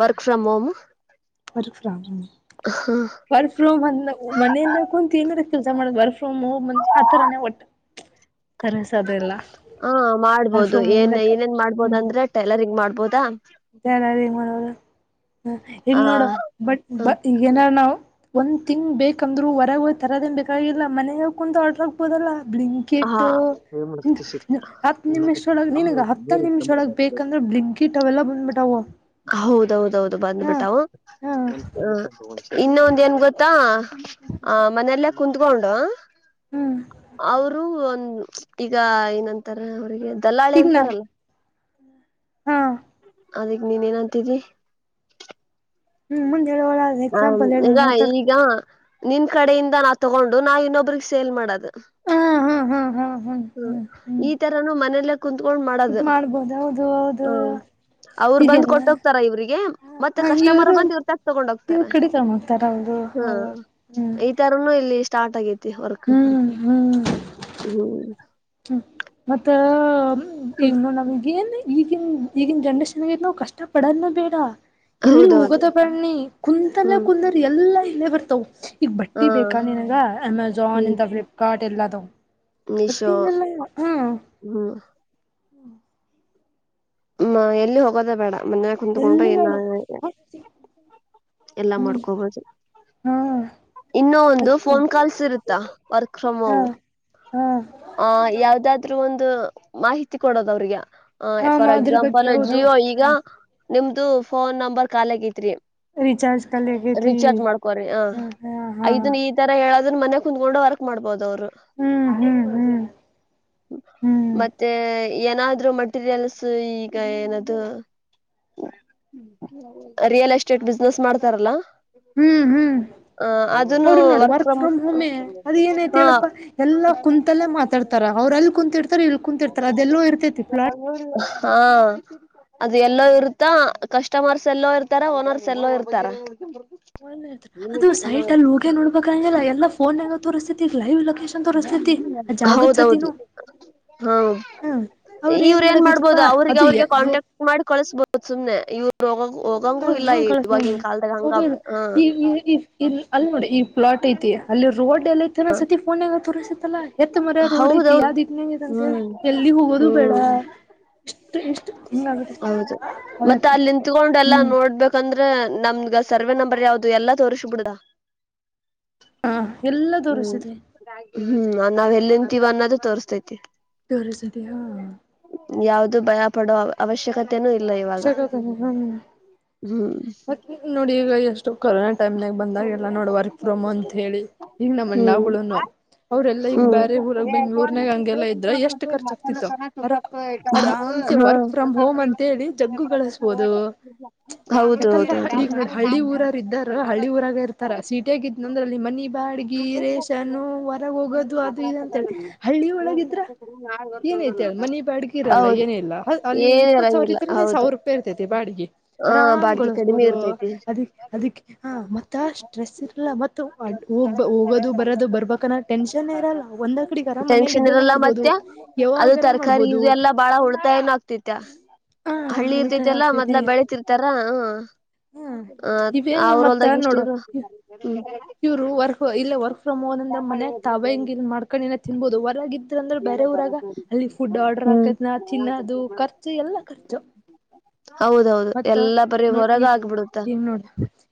Work from home. Work from home. ಹಾ. Work from ಅಂದ ಮನೆಯಿಂದ ಕುಂತ ಏನಾರ ಕೆಲಸ ಮಾಡ ವರ್ ಫ್ರೋಮ್. ಆ ಥರಾನೇ ಒಟ್ಟ. ತರಸ ಅದೆಲ್ಲ ಹಾ ವರ್ಕ್ ಮಾಡ್ಬೋದು ಫ್ರಮ್ ಹೋಮ್ ಏನ್ ಲೈಕ್ ಏನೇನ್ ಮಾಡ್ಬೋದ ಅಂದ್ರೆ. ಟೈಲರಿಂಗ್ ಮಾಡ್ಬೋದಾ. ಹೆಂಗ ಮಾಡ ಹ ಈಗ ಆ ನೋಡು ಬಟ್ ಈಗ ಏನಾರ ನಾವು. ಒಂದ್ ತಿಂಗ್ ಬೇಕಂದ್ರು ಹೊರಗೆ ಹ ತರದೇನ್ ಬೇಕಾಗಿಲ್ಲ ಮನ್ಯ ಕುಂದ ಆರ್ಡರ್ ಆಗ್ಬೋದಲ್ಲಾ ಬಿಳ. ಹ ಬ್ಲಿಂಕಿಟ್ಟು ಹತ್ತು ನಿಮಿಷೊಳಗೆ ನನ್ಗೆ ಹತ್ತ ನಿಮಿಷೊಳಗೆ ಬೇಕಂದ್ರೆ ಬ್ಲಿಂಗ. ಈಟವ ಎಲ್ಲಾ ಬಂದ ಬಿಟಾವ. ಹೌದೌದೌದು ಬಂದ್ಬಿಟ್ಟವು. ಹಾ ಇನ್ನೊಂದ ಏನ್ ಗೊತ್ತಾ ಆ ಮನೆಯಲ್ಲೇ ಕುತ್ಕೊಂಡು. ಹ್ಮ್ ಅವರು ಒಂದು ಈಗ ಏನಂತಾರ ಅವ್ರಿಗೆ ದಲ್ಲಾಳೆ ಈಗ ನಾ ಅಂತಾರಲ್ಲ. ಹಾ. ಅದಕ್ ನೀನ್ ಏನಂತಿದಿ. ಹ್ಮ್ ಮುಂದ್ ಹೇಳ್ವ. ಹ ಈಗ ಈಗ ನಿನ್ ಕಡೆಯಿಂದ ನಾ ತಗೊಂಡು ನಾವ ಇನ್ನೊಬ್ರಿಗೆ ಸೇಲ್ ಮಾಡದು. ಹಾ ಹಾ ಹಾ ಹಾ ಹಾ. ಹ್ಮ್ ಹ್ಮ್ ಈ ತರನು ಮನೇಲ್ಲೇ ಕುತ್ಕೊಂಡ್ ಇದ್ ಮಾಡೋದು ಮಾಡ್ಬೋದು ಹೌದು ಹ. ಹೌದು ಅವ್ರ ಬಂದ್ ಹೀಗೆಲ್ಲ ಕೊಟ್ಟ ಹೋಗ್ತಾರ ಇವ್ರಿಗೆ ಮತ್ತೆ ಕಸ್ಟಮರ್ ಇವರು ಬಂದ ಇವ್ರ ತಕ್ ತಗೊಂಡ ಹೋಗ್ತಾರ. ಇವ್ರು ಕಡಿತಕೊಂಡ್ ಹೋಗ್ತಾರ ಅವರು ಹಾ. ಅವರು ಹ್ಮ್ ತರ ಇಲ್ಲಿ ಸ್ಟಾರ್ಟ್ ಆಗೈತಿ ವರ್ಕ್ ಹ್ಮ್ ಹ್ಮ. ಹ್ಮ ಮತ್ತ ಇವನು ನಮಗೇನ್. ಈಗನ್ ಈಗಿನ ಜನ್ರೇಷನ್ಗ ನಾವು ಕಷ್ಟ ಪಡೋದು ಬೇಡ. ಎಲ್ಲಿ ಹೌದೌದು ಹೋಗೋದ ಬ್ಯಾಡ್ನಿ ಕುಂತಲ್ಲ ಹ್ಮ್ ಕುಂದರಿ ಎಲ್ಲಾ ಇಲ್ಲೇ ಬರ್ತವು. ಈಗ ಹಾ ಬಟ್ಟೆ ಬೇಕಾ ನಿನಗೆ ಅಮೆಝಾನ್ ಹ್ಮ್ ಇಂಥ ಫ್ಲಿಪ್ಕಾರ್ಟ್ ಎಲ್ಲ ಅದಾವ. ಒಟ್ಟಿನೆಲ್ಲ ಹಾ. ಹ್ಮ. ಹ್ಮ ಎಲ್ಲಿ ಹೋಗೋದೇ ಬೇಡ ಮನ್ಯ ಕುತ್ಕೊಂಡ ಎಲ್ಲಿ ಏನ. ಬೇಡ ಹ ಎಲ್ಲಾ ಹ್ಮ್ ಮಾಡ್ಕೊ ಬಹುದು. ಹಾ ಇನ್ನು ಒಂದು ಮತ್ತೆ ಫೋನ್ ಕಾಲ್ಸ್ ಇರುತ್ತಾ ವರ್ಕ್ ಫ್ರಮ್ ಹೋಮ್. ಹ್ಮ. ಆ ಯಾವ್ದಾದ್ರು ಒಂದು ಮಾಹಿತಿ ಕೊಡೋದ ಅವ್ರಿಗೆ. ಆ ಹ ಫಾರ್ ಅದ್ರ ಬಗ್ಗೆ ಎಕ್ಸಾಂಪಲ್ ಹೌದು ಜಿಯೋ ಈಗ ನಿಮ್ದು ಫೋನ್ ನಂಬರ್ ಕಾಲ ಆಗೈತ್ರಿ. ರಿಚಾರ್ಜ್ ಖಾಲಿ ಆಗೈತಿ ರೀಚಾರ್ಜ್ ಮಾಡ್ಕೋರಿ ಹ ಹ್ಮ್ ಹಾ ಹಾ ಐದನೆ ಈ ತರ ಹೇಳೋದ್ರ ಮನೆ ಕುತ್ಕೊಂಡು ವರ್ಕ್ ಮಾಡಬಹದು ಅವ್ರು. ಹ್ಮ್ ಹ್ಮ್ ಹ್ಮ್ ಹ್ಮ್ ಮತ್ತೆ ಏನಾದ್ರು ಮಟೀರಿಯಲ್ಸ್ ಈಗ ಏನದು. ರಿಯಲ್ ಎಸ್ಟೇಟ್ ಬಿಸ್ನೆಸ್ ಮಾಡ್ತಾರಲಾ. ಹ್ಮ್ ಹ್ಮ್ ಅವರು ನೋಡು ವರ್ಕ್ ಫ್ರಮ್ ಹೋಮೇ ಅದ ಏನಾಯ್ತ ಹಾ ಹೇಳಪ್ಪಾ. ಎಲ್ಲ ಕುಂತಲ್ಲೇ ಮಾತಾಡ್ತಾರೆ ಅವರು ಅಲ್ಲಿ ಕುಂತಿರ್ತಾರೆ ಇಲ್ಲಿ ಕುೂಂತಿರ್ತಾರೆ ಅದೆಲ್ಲೋ ಇರ್ತೈತಿ ಪ್ಲಾಟ್. ಹಾ ಅದು ಎಲ್ಲೋ ಇರುತ್ತ ಕಸ್ಟಮರ್ಸ್ ಎಲ್ಲೋ ಇರ್ತಾರ ಓನರ್ಸ್ ಎಲ್ಲೋ ಇರ್ತಾರ. ಅದು ಸೈಟ್ ಅಲ್ಲಿ ಹೋಗಿ ನೋಡ್ಬೇಕಂಗಲ್ಲ ಎಲ್ಲಾ ಫೋನನಾಗ್ ತೋರಿಸ್ತೈತೇ ಲೈವ್ ಲೋಕೆ ಶನ್ ತೋರಿಸತೈತಿ ಆ ಜಾಗದ ಸತಿನು. ಹ ಹಾ ಅವ್ರ ಇವ್ರ ಏನ್ ಮಾಡದಿತ್ತಪ್ಪಾ ಮಾಡ್ಬೋದು ಅವ್ರಿಗೆ ಅದು ಅವ್ರಿಗೆ ಕಾಂಟ್ಯಾಕ್ಟ್ ಮಾಡಿ ಕಳಸ್ಬಹದು ಸುಮನೆ ಇವರ. ಹೊಂಗಗ ಹೋಗಂಗೂ ಇಲ್ಲ ಹ ಕಳಸ ಇವಾಗಿನ್ ಕಾಲ್ದಾಗ ಹಂಗ ಆಗ ಹ. ಅಲ್ ನೋಡಿ ಈ ಪ್ಲಾಟ್ ಐತಿ ಅಲ್ಲಿ ರೋಡ್ ಎಲ್ಲ ಐತಿನ ಸತಿ ಫೋನ್ ಎಲ್ಲ ತೋರಿಸತೈತಿಲಾ ಎತ್ ಮರ ರೋಡ್ ಐತಿ ಹೌದೌದು ಯಾವ್ದಹಿಂಗ್ ಐತಿ ಹ್ಮ್ ಎಲ್ಲಿ ಹೋಗೋದು ಬೇಡ. ಹ್ಮ್ ಇಷ್ಟು ಇಷ್ಟು ಹಿಂಗ ಅಗೆತ ಅವಲಕ್ಕಿ. ತೊಗೊಂಡ ಎಲ್ಲಾ ಹ್ಮ್ ನೋಡ್ಬೇಕಂದ್ರೆ ನಮಗ ಸರ್ವೆ ನಂಬರ್ ಯಾವ್ದ ಎಲ್ಲಾ ತೋರಿಸಬಿಡದ. ಹಾ ಎಲ್ಲಾ ತೋರಿಸತೈತಿ. ಹ್ಮ್ ನಾವ್ ಎಲ್ಲಿ ನಿಂತೀವ್ ಅನ್ನೋದು ತೋರಿಸತೈತಿ. ತೋರಿಸತೈತಾ. ಯಾವ್ದು ಭಯ ಪಡೋ ಅವಶ್ಯಕತನೂ ಇಲ್ಲ ಇವಾಗ. ವರ್ಷ ಹ್ಮ್ ನೋಡ ಈಗ ಎಷ್ಟು ಕೊರೋನಾ ಟೈಮ್ನಾಗ ಬಂದಾಗ ಎಲ್ಲ ನೋಡ ವರ್ಕ್ ಫ್ರಂ ಹೋಮ್ ಅಂತ ಹೇಳಿ ಈಗ ನಮ್ಮ ಹ್ಮ್ ಅಣ್ಣಗೋಳುನು. ಅವ್ರೆಲಾ ಈಗ ಹ್ಮ್ ಬೇರೆ ಊರಗ್ ಬೆಂಗ್ಳೂರ್ನಾಗ ಹಂಗೆಲ್ಲಾ ಇದ್ರ ಎಷ್ಟ್ ಖರ್ಚಾಗಗ್ತಿತ್ತವರ. ಆರಾಮ್ಸೆ ಹಾ ವರ್ಕ್ ಫ್ರಮ್ ಹೋಮ್ ಅಂತೇಳಿ ಜಗ್ಗು ಗಳಿಸಬೋದು. ಹೌದು ಯಾಕಂದ್ರ ಹೌದು ಹೌದು ಹಳ್ಳ ಈಗ್ ನೋಡ ಹಳ್ಳಿ ಊರರ ಇದಾಗ. ಹಳ್ಳಿ ಊರಾಗ ಇರ್ತಾರ ಸಿಟ್ಯಾಗ್ ಇದ್ನ ಅಂದ್ರ ಅಲ್ಲಿ ಮನಿ ಬಾಡಗಿ ರೇಷನ್ ಹೊರಗೆ ಹೋಗೋದು ಅದು ಇದು. ಹಳ್ಳಿ ಒಳಗಿದ್ರ. ಏನ ಐತೆ ಹೇಳ್ ಮನಿ ಬಾಡ್ಗಿ ಇರಲ್ಲ ಹೌದು ಏನ ಇಲ್ಲ ಅಲ್ಲಿ ಏನ್ ಇಪ್ಪತ್ ಸಾವಿರ ಇದರದೆ ಸಾವಿರ ರೂಪಾಯಿ ಇರ್ತೈತಿ ಬಾಡಿಗಿ. ಹಾ ಬಾಡ ಕಳಸ್ಬಹದು ಅದ ಅದಕೆ. ಹಾ ಮತ್ತ ಸ್ಟ್ರೆಸ್ ಇರಲ್ಲ ಮತ್ತ ಹೋಗ ಹೋಗೋದು ಬರೋದು ಬರಬೇಕು ಅನ್ನೋದ. ಟೆನ್ಕ್ಷನ್ ಇದ್ದಾಗ ಇರಲ್ಲ ಮಾಡ್ಬೋದು ಮತ್ತೆ ಅದು ಯಾವಾಗಾರ ತರಕಾರಿ ಮಾಡ್ಬೋದು ಇದೆಲ್ಲಾ ಬಾಳ ಉಳಿತಾಯ ಏನ ಆಗ್ತ ತೈತಿ ಹ ಹಳ್ಳಿ ಉಳಿತಾಯ ಇರ್ತೈತಲ್ಲಾ ಮೊದ್ಲ ಆಗ್ತೈತಿ ಬೆಳತಿರ್ತಾರ ಹೂ ಹ್ಮ ಇವೇನು ಅವರು ಮತ್ತ ಹೊಲದಾಗ ಇಷ್ಟ ನೋಡು ಇವ್ರು ಹೂ. ಇವ್ರು ವರ್ಕ್ ಇಲ್ಲ ವರ್ಕ್ ಫ್ರಮ್ ಹೋನ್ ಅಂದ್ರೆ ಮನ್ಯಾಗ ತಾವೆ ಹಿಂಗ್ ಇದ ಮಾಡ್ಕೊಂಡ್ ಇದು ತಿನ್ಬೋಬಹುದು ಹೊರಗ ಇತ್ತ ಅಂದ್ರ ಬ್ಯಾರೆ ಊರಾಗ. ಅಲ್ಲಿ ಫುಡ್ ಆರ್ಡ್ರರ್ ಹ್ಮ್ ಹಾಕತ್ನ ತಿನ್ನದು ಖರ್ಚು ಎಲ್ಲಾ ಖರ್ಚು. ಹೌದೌದು ಮತ್ತ ಎಲ್ಲಾ ಬರೀ ನೋ ಹೊರಗ ಈಗ ನ ಆಗ್ಬಿಡುತ್ತ ಈಗ ನೋಡ.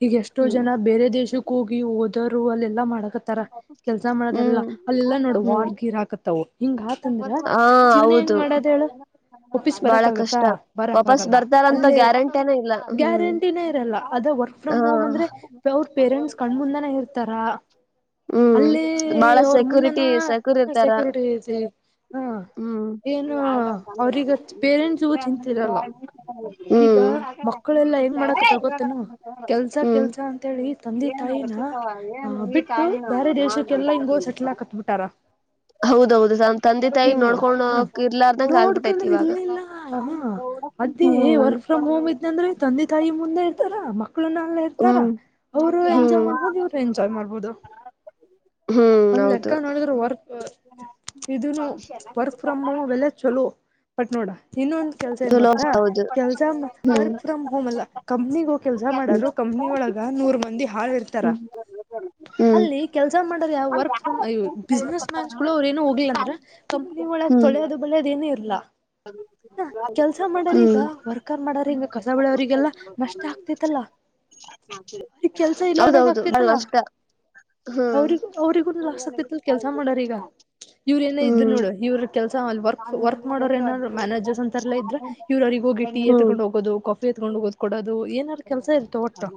ಈಗ ಎಷ್ಟೋ ಹ್ಮ್ ಜನ ಬೇರೆ ದೇಶಕ್ಕ ಹೋಗಿ ಓದೋರು ಅಲ್ಲೆಲ್ಲಾ ಮಾಡಕತ್ತ. ತರ ಕೆಲ್ಸ ಮಾಡದೆಲ್ಲಾ ಹ್ಮ್ ಅಲ್ಲೆಲ್ಲಾ ನೋಡು ಹ್ಮ್ ವಾರ್ಗೀರ್ ಹಾಕತ್ತವು ಹಿಂಗಾತಂದ್ರ ಹಾ ಜೀವನ ಹೆಂಗ ಹೌದು ಮಾಡದ. ಹೇಳ ಒಪ್ಪಿಸಿ ಬರಕ ಬಾಳ ಆಗತ್ತ ಕಷ್ಟ ಬರಕ ವಾಪಸ್ ಆಗಲ್ಲ ಅಲ್. ಬರ್ತಾರಂತ ಗ್ಯಾರಂಟಿನ ಇಲ್ಲ ಹ್ಮ್ ಗ್ಯಾರಂಟಿನೇ ಇರಲ್ಲ ಅದ ವರ್ಕ್ ಫ್ರ್ ಹಾ ಹೋಮ್ ಅಂದ್ರೆ ಅವ್ರ ಪೇರೆಂಟ್ಸ್ ಕಣ್ಮಂದ ನ ಇರ್ತಾರಾ ಹ್ಮ್ ಬಾಳ ಸೆಕ್ಯೂರಿಟಿ ಸೆಕ್ಯೂರ್ ಇರ್ತಾರ ಹ್ಮ ಹ್ಮ ಹ್ಮ್ ಈ ಆಳ್ಕ ಚಂದ ಐತಿ ಅವ್ರಗ ಪೇರೆಂಟ್ಸಗೂ ಹ್ಮ್ ಚಿಂತಿರಲ್ಲ ಈಗ ಮಕ್ಕಳೆಲ್ಲಾ ಹೆಂಗ್ ಮಾಡಕತ್ತಾರ ಗೊತ್ತೇನು ಕೆಲ್ಸ ಹ್ಮ್ ಕೆಲ್ಸ ಅಂತೇಳಿ ತಂದೆ ಏನು ತಾಯಿನ ರಚಿಕವ ಹ ಏನು ಈ ಬಿಟ್ಟು ತಾಜಿನ ಬೇರೆ ಮಾ ದೇಶಕ್ಕೆಲ್ಲಾ ಹಿಂಗೋ ತಾಜ್ಮಸ ಸೆಟ್ಲ್ ಹಾಕತ್ಬಿಟ್ಟಾರ ಹೌದೌದು ನ ತಂದೆ ತಾಯ ಹೀಗ್ ನೋಡ್ ನೋಡ್ಕೊಂಡ ಹ ಇರ್ಲಾರ್ದಂಗ ಆಗ್ಬಿಟ್ಟೈತಿ ನೋಡ್ಕಣದ್ ಇವಾಗ ಏ ವರ್ಕ್ ಫ್ರಮ್ ಹೋಮ್ ಹ್ಮ್ ಇದ್ ಅಂದ್ರೆ ತಂದೆ ತಾಯಿ ಮುಂದೆ ಇರ್ತಾರ ಮಕ್ಳುನ್ನಲ್ಲ ಇರ್ತಾರ ಹ್ಮ್ ಅವರು ಎಂಜಾಯ್ ಹ್ಮ್ ಮಾಡ್ಬೋದು ಇವ್ರು ಎಂಜಾಯ್ ಮಾಡ್ಬೋದು. ಹ್ಮ್ ಒಂದ್ ಹೌದು ಲೆಕ್ಕ ನೋಡಿದ್ರರು ವರ್ಕ್ ಇದನು ವರ್ಕ್ ಫ್ರಮ್ ಹೋಮ್ ವಲ್ಲ ಚಲೋ ಬಟ್ ನೋಡ ಇನ್ನೊಂದು. ಕೆಲ್ಸ ಹೆಂಗ ಚಲೋ ಗೊತ್ತಾ ಹೌದು ಕೆಲ್ಸ ಹ್ಮ್ ವರ್ಕ್ ಫ್ರಮ್ ಹೋಮ್ ಅಲ್ಲ. ಕಂಪ್ನಿಗ ಹೋಗಿ ಕೆಲ್ಸ ಮಾಡರು ಕಂಪ್ನಿ ಒಳಗ ನೂರ್ ಮಂದಿ ಹಾಳ ಇರ್ತ ಹ್ಮ [inaudible] ಅಲ್ಲಿ ಕೆಲ್ಸ ಮಾಡ್ರ ಯಾವ ವರ್ಕ್ ಫ್ರಮ್ ಬಿಸ್ನೆಸ್ ಮ್ಯಾನ್ಸಳು ಅವ್ರರು ಏನ ಹೋಗಲ್ಲ ಅಂದ್ರೆ. ಕಂಪ್ನಿ ಒಳಗ ಹ್ಮ್ ತೊಳೆಯೋದು ಬಳೆದ ಏನ ಇರಲ ಹ್ಮ್ [inaudible] ವರ್ಕರ್ ಮಾಡಾರ ಹಿಂಗ ಕಸಬುಳಿ ಅವ್ರರಿಗೆಲ್ಲಾ ನಷ್ಟ ಆಗ್ತಿತ್ತಲ್ಲ. ಅವ್ರ ಕೆಲ್ಸ ಇಲ್ಲಾರದಂಗ ಹೌದೌದು ಬಹಳ ಆಗ್ತತ್ತಲ್ಲ. ನಷ್ಟ ಹ್ಮ್ ಅವ್ರಗೂ ಅವ್ರಿಗೂ ಲಾಸ್ ಆಗ್ತಿತ್ತಲ್ ಕೆಲ್ಸ ಮಾಡರ್ ಈಗ ಇವ್ರ ಏನ ಇದ್ದ್ ಹ್ಮ್ ನೋಡು ಇವ್ರ ಕೆಲಸ ವಕ್ ವರ್ಕ್ ಮಾಡೋರ್ ಏನಾದ್ರು ಮ್ಯೇರ್ಸ್ ಅಂತ ಎಲ್ಲ ಇದ್ರೆ ಇವ್ರರಿಗೆಗ ಹೋಗಿಟಿ ಎತ್ಡ ಹ್ಮ್ ಹೋಗಿ. ಹ [unintelligible] ಕಾಫಿತ್ಕೊಂಡು ಹೋಗದ್ ಕೊಡೋದು ಏನ ಕೆಲ್ಸ ಇರ್ತ ಒಟ್ಟು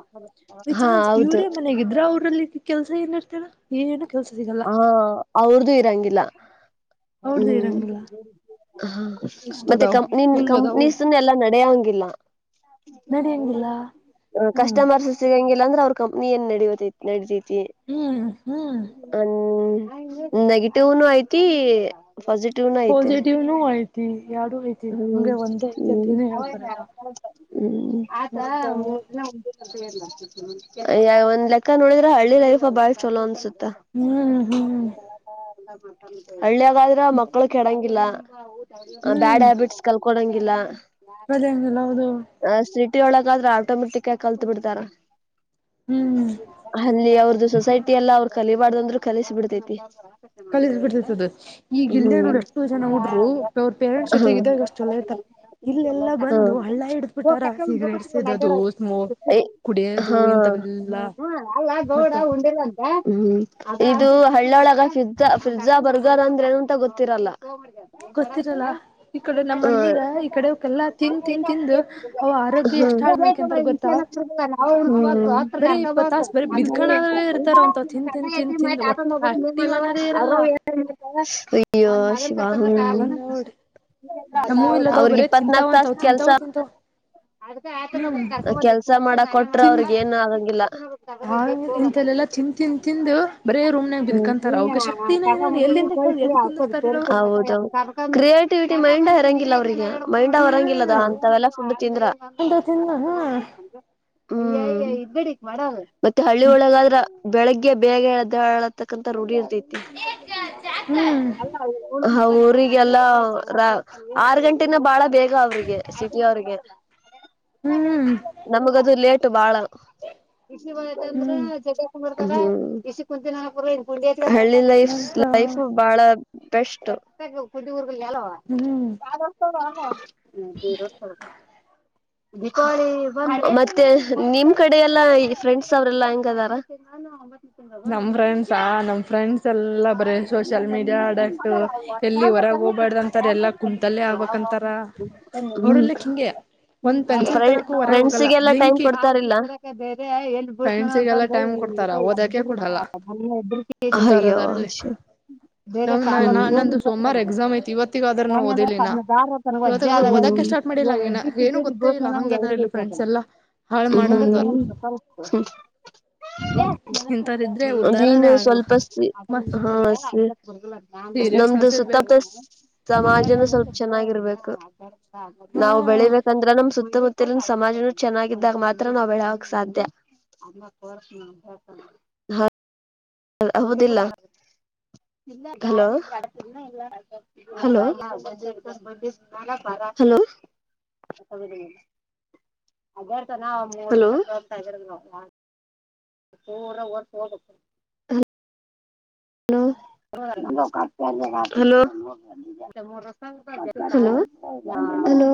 ಬೈ ಹಾ ಚಾನ್ಸ್ ಹೌದು ಇವರೇ ಮನೆಗಿದ್ರ ಅವ್ರಲ್ಲಿ ಕೆಲ್ಸ ಏನ್ ಇರ್ತಾರ. ಏ ಏನು ಕೆಲ್ಸ ಸಿಗಲ್ಲ ಹಾ ಅವ್ರ್ದು ಇರಂಗಿಲ್ಲ ಅವ್ರ್ದು ಹ್ಮ್ ಇರಂಗಿಲ್ಲ ಹ ಇಷ್ಟ ಮತ್ತೆ ಅದಾವ್ ಕಂಪ್ನಿ ಹಿಂಗ ಅದಾವು ಕಂಪ್ನೀಸ್ನ್ ಎಲ್ಲಾ ನಡೆಯಂಗಿಲ್ಲ ನಡಿಯಂಗಿಲ್ಲ ಹಾ ಕಸ್ಟಮರ್ಸ್ ಸಿಗಂಗಿಲ್ಲ ಅಂದ್ರೆ ಅವ್ರ ಕಂಪ್ನಿ ಏನ್ ನಡ ನಡತತಿ ಹ್ಮ್ ಹ್ಮ್ ಹ ನೆಗೆಟಿವ್ನು ಐತಿ ಪಿಟಿವ್ ಪಾಸಿಟಿವ್ನುೂ ಐತಿ ಯಾರಡುೂ ಐತಿ ಹ್ಮ್ ನಮಗೆ ಒಂದೇ ಐತಿ ಅಂತನೇ ಹೇಳ್ತಾರಲ್ಲ ಹ್ಮ್ ಆಯತಾ ಮೂ [unintelligible] ಯ್ಯ ಒಂದ್ ಲೆಕ್ಕ ನೋಡಿದ್ರ ಹಳ್ಳಿ ಲೈಫ ಬಾಳ ಚಲೋ ಅನ್ಸುತ್ತ ಹ್ಮ್ ಹ್ಮ್ ಹಳ್ಳಿಯಾಗಾದ್ರೆ ಮಕ್ಕಳು ಕೆಡಂಗಿಲ್ಲ ಬ್ಯಾಡ್ ಹ್ಯಾಬಿಟ್ಸ್ ಕಲ್ಕೊಳಂಗಿಲ್ಲ ತೊಳೆಯೋ ಹಂಗಿಲ್ಲ ಹೌದು ಅ ಸಿಟಿ ಒಳಗಾದ್ರೆ ಆಟೋಮೆಟಿಕ್ ಆಗಿ ಕಲ್ತ್ ಬಿಡ್ರ. ಹ್ಮ್ ಅಲ್ಲಿ ಅವ್ರ್ದು ಸೊಸೈಟಿ ಎಲ್ಲ ಅವ್ರ ಕಲಬಾರ್ದಂದ್ರರು ಕಲಿಸ ಬಿಡ್ತೇತಿ. ಕಲ ಬಿಡ್ಸರ್ತದ ಈಗ ಇಲ್ಲಯ ನೋಡ ಎಷ್ಟೋ ಜನ ಹುಡ್ರು ಅವ್ರ ಪೇರೆಂಟ್ಸ್ ಜೊತೆಗೆ ಇದಾಗ ಅಷ್ಟು ಒಳ್ಳೆ ಇರ್ತಾರೆ ಇಲ್ಲೆಲ್ಲಾ ಬಂದು ಹಳ್ಳ ಇಡ್ತ. ಬಿಟಾರ ಸಿಗ್ರೇಟ್ಸ್ ಸೇದೋದು ಸ್ಮೋ ಹ ಕುಡಿಯೋದು ಹಾ ಇಂತವೆಲ್ಲಾ ಮತ್ತ [unintelligible] ಇದು ಹಳ್ಳೊಳಗ ಫ್ರಿಜ ಫ್ರಿಜ್ ಬ ಈಗ ಅಂದ್ರೆ ಏನಂತ ಗೊತ್ತಿರಲ್ಲ. [unintelligible] ಗೊತ್ತಿರಲ್ಲ ಈ ಕಡೆ ನಮ್ಮ್ ಅಯ್ಯೋ ಮಂದಿಗೆ ಈ ಕಡೆವಕೆಲ್ಲಾ ತಿನ್ ತಿನ್ ತಿಂದ. ಅವ ಆರೋಗ್ಯ ಎಷ್ಟ ಹಾಳ್ ಮಾಡ್ಕೊಂತರ್ ಅಂತ ಗೊತ್ತಾ. ಹ್ಮ್. [unintelligible] ಬರೀ ಇಪ್ಪತ್ ತಾಸ ಬರೀ ಬಿದ್ಕಣದೇ ಇರ್ತಾರ ಅಂತವ್ ತಿಂದ ತಿಂದ ತಿಂದ ತಿಂದ ಒಟ್ಟ ಆಕ್ಟಿವ್ ಅನ್ನೋದೇ ಇರಲ್ಲ ಅಯ್ಯೋ ಶಿವಾ ಹೂಂ. ಹಿಂಗ ನೋಡಿ ನಮ್ಮೂ ಇಲ್ಲದವ್ ಅವ್ರಿಗ ಬರೇ ಇಪ್ಪತ್ನಾಕ್ ತಾಸ ತಿಂತಾವಂತವ್ ಕೆಲ್ಸ. ತಿಂತಾವ್ ತಿಂತಾವ್ ಹ್ಮ್ ಕೆಲ್ಸ ಮಾಡಕ್ ಕೊಟ್ಟ. ಕೊಟ್ರ ತಿನ್ ಅವ್ರಿಗೆ ಏನು ಆಗಂಗಿಲ್ಲ ಆ ಇಂತಲೆಲ್ಲಾ ತಿನ್ ತಿನ್ ತಿಂದು ಬರೇ ರೂಮ್ನಾಗ ಹ್ಮ್. ನೀ ಬಿದ್ಕಂತಾರ ಅವಕ ಶಕ್ತಿನ ತಕ ಇರಲ್ಲ ಮಾಡತ ಎಲ್ಲಿಂದ ಕೇಳ ಕಳ್ಸಲಿ ಎದ್ ಕುಂದಿರ್ತಾರ ಹೇಳ ಅವ್ರು ಆಗ್ಕ ಹೌದೌದು. ಕ್ರಿಯೇಟಿವಿಟಿ ಮೈಂಡ್ ಇರಂಗಿಲ್ಲ ಅವ್ರಿಗೆ ಮೈಂಡ್ ಹೊರಂಗಿಲ್ಲದ ಅಂತಲ್ಲ. ತಿಂದ್ರ ಹ್ಮ ತಿನ್ನ ಹ್ಮ ಹ್ಮ್ಮ್. ಮತ್ತೆ ಹಳ್ಳಿಯೊಳಗ ಆದ್ರ ಬೆಳಗ್ಗೆ ಬೇಗ ಎದ್ದೇಳು ತಕ್ಕಂತ ರೂಢಿ ಇರ್ತೈತಿ. [inaudible] ಹ್ಮ್ ಹ ಊರಿಗೆಲ್ಲ ಆರು ಗಂಟೆನ ಬಾಳ ಬೇಗ ಅವ್ರಿಗೆ. ಅವ್ರಿಗೆ ಹ್ಮ್ ನಮಗದು ಲೇಟು ಬಾಳ. ಹ್ಮ್ ಹ್ಮ್ಮ್. ಹಳ್ಳಿ ಲೈಫ್ ಅಂತ ಲೈಫ್ ಬಾಳ ಬೆಸ್ಟ್. ಹ್ಮ್. [inaudible] ದೀಪಾವಳಿ ಮತ್ತೆ ನಿಮ್ ಕಡೆ ಎಲ್ಲಾ ಈ ಫ್ರೆಂಡ್ಸ್ ಅವ್ರಲ್ಲಾ ಹೆಂಗದಾರ. [inaudible] ನಮ್ ಫ್ರೆಂಡ್ಸ ನಮ್ ಫ್ರೆಂಡ್ಸ್ ಎಲ್ಲಾ. ಬರೇ ಸೋಷಿಯಲ್ ಮೀಡಿಯಾ ಅಡಕ್ಟ್ ಎಲ್ಲಿ ಹೊರಗೆ ಹೋಗಬಾರ್ದ ಅಂತಾರ ಎಲ್ಲ ಕುಂತಲ್ಲೇ ಆಗ್ಬಕ್ಂತಾರ. ಅವ್ರಲ್ಲಕ್ ಹಿಂಗೆ ಹ್ಮ. ಒಂದ್ ಪೆನ್ಸಿಲ್ ತರಕ್ಕೂ ಹೊರಗೆ ಹೋಗಲ್ಲ ಫ್ರೆಂಡ್ಸಿಗೆಲ್ಲಾ ಟೈಮ್ ಬ್ಲಿಂಕ್ ಇಟ್ ಕೊಡ್ತಾರಿಲ್ಲ. ಫ್ರೆಂಡ್ಸಿಗೆಲ್ಲ ಟೈಮ್ ಕೊಡ್ತಾರ ಓದಕೆ ಕೊಡಲ್ಲ ಅಯ್ಯೋ ಅಂತವ್ರದಾರಲ್ಲಿ ಶಿವನೇ. ನಮ್ ನ ನಂದು ಸೋಮವಾರ ಎಕ್ಸಾಮ್ ಐತಿ ಇವತ್ತಿಗಾದ್ರ ನಾ ಓದಿಲಿನ ಇವತ್ತಾಗಾದ್ರೆ ಹ್ಮ್ಮ್ ಓದಕ್ಕೆ ಹ್ಮ್ಮ್. ಸ್ಟಾರ್ಟ್ ಮಾಡಿಲ್ಲ ಹ್ಮ್ಮ್. ಹಂಗಿನ ಏನು ಗೊತ್ತೇ ಇಲ್ಲ ಹಂಗದ ಇಲ್ಲ ಫ್ರೆಂಡ್ಸ್ ಎಲ್ಲಾ ಹಾಳ್ ಮಾಡಂದವ್ರು ಇಂಥವ್ರ ಇದ್ರೆ ಹ್ಮ ಉದ್ಧಾರನೇ ನೀನೆ ಆಗಲ್ಲ ಸ್ವಲ್ಪ. ಮತ್ ಹಾ ಸರಿ ನಮ್ದು ಸೀರಿಯಸ್ನೆಸ್ ಇರ್ಬೇಕು ಸುತ್ತುತ್ತಲ. ಸಮಾಜನ ಸ್ವಲ್ಪ ಚೆನ್ನಾಗಿರ್ಬೇಕು ನಾವು ಹ್ಮ ಬೆಳಿಬೇಕಂದ್ರ ನಮ ಸುತ್ತಮುತ್ತ. ಮುತ್ತಲಿನ ಸಮಾಜನೂ ಚೆನ್ನಾಗಿದ್ದಾಗ ಮಾತ್ರ ನಾವ್ ಬೆಲ್ಯಾಕ್ ಸಾಧ್ಯ. ಹೌದಿಲ್ಲ hello. Hello hello. Hello. [inaudible] Hello hello. Hello hello.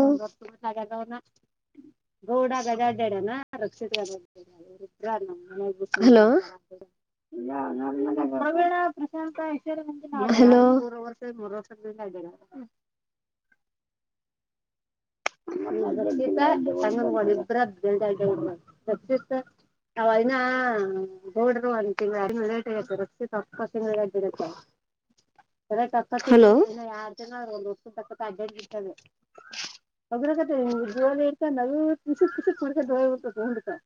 [unintelligible] Hello. Hello. [unintelligible] [unintelligible] [inaudible] ಅದ ತಕ್ಕಲ ಯಾರ್ ಜನ ಒ ತಕ್ಕ ಅಡ್ಡ ಬಿಟ್ಟದೆ ಹೋ ನಸಿಸಿತ್ ಮಾಡ್ಕೊಂಡ